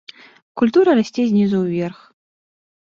Культура расце знізу ўверх.